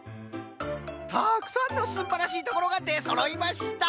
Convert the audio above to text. たくさんのすんばらしいところがでそろいました！